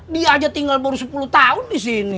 dia aja tinggal baru sepuluh tahun di sini